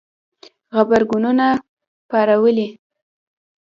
غبرګونونه پارولي